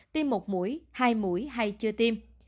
tiêm một mũi hai mũi hay chưa tiêm